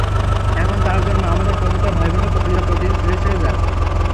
এখন তাঁর জন্য আমাদের প্রতিটা ভাইবোনের কলিজা প্রতিদিন ছিঁড়ে ছিঁড়ে যায়।